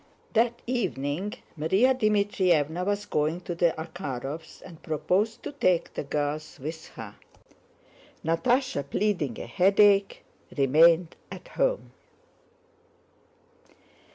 That evening Márya Dmítrievna was going to the Akhárovs' and proposed to take the girls with her. Natásha, pleading a headache, remained at home.